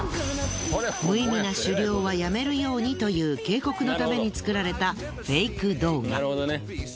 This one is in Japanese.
無意味な狩猟はやめるようにという警告のために作られたフェイク動画。